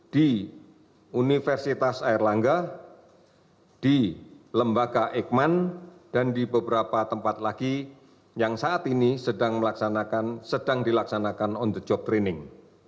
di universitas airlangga di lembaga eijkman dan di beberapa tempat lagi yang saat ini sedang dilaksanakan on the job training